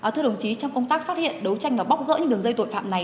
thưa đồng chí trong công tác phát hiện đấu tranh và bóc gỡ những đường dây tội phạm này